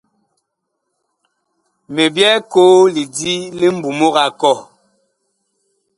Mi byɛɛ koo lidi li mbumug a kɔh.